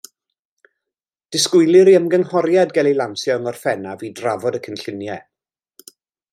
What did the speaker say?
Disgwylir i ymgynghoriad gael ei lansio yng Ngorffennaf i drafod y cynlluniau.